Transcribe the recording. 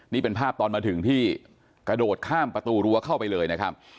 นี่เป็นภาพตอนมาถึงที่กระโดดข้ามประตูรั้วเข้าไปเลยนะครับ